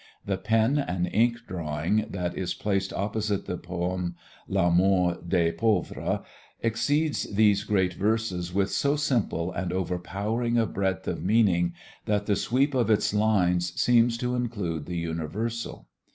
The pen and ink drawing that is placed opposite the poem "La Mort des Pauvres" exceeds these great verses with so simple and ever growing a breadth of meaning that the sweep of its lines seems to include the universal.